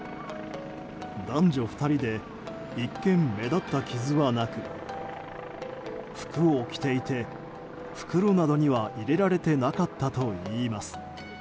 男女２人で一見、目立った傷はなく服を着ていて袋などには入れられていなかったといいます。